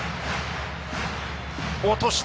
落とした。